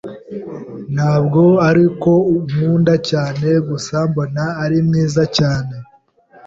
Ntabwo ari uko nkunda cyane. Gusa mbona ari mwiza cyane.